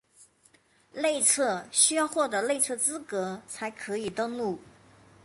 内测需要获得内测资格才可以登录